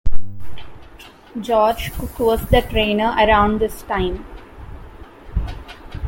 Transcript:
George Cook was the trainer around this time.